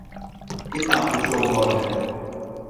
І там усё ў норме.